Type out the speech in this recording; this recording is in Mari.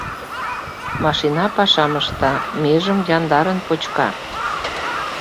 Машина пашам ышта, межым яндарын почка.